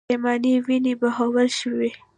پرېمانې وینې بهول شوې.